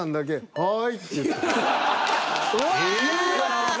はい。